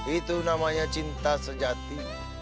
itu namanya cinta sejati